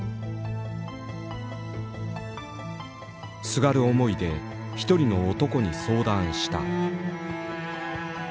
すがる思いで一人の男に相談した。